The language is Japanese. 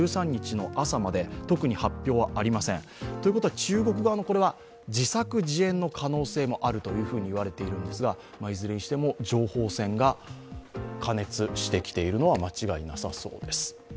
中国側の自作自演の可能性もあると言われているんですがいずれにしても情報戦が過熱してきているのは間違いなさそうです。